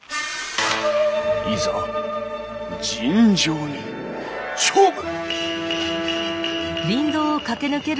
いざ尋常に勝負！